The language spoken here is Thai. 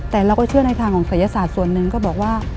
แต่เราก็เชื่อในทางของศัยศาสตร์ส่วนหนึ่งก็บอกว่า